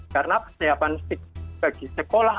karena persiapan fisik bagi sekolah